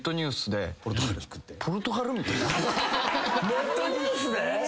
ネットニュースで！？